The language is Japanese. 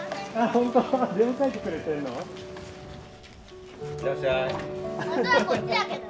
本当はこっちだけどね。